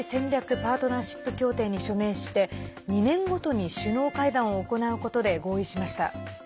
パートナーシップ協定に署名して２年ごとに首脳会談を行うことで合意しました。